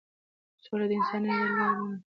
سوله د انساني ارادې لوړه بڼه ده.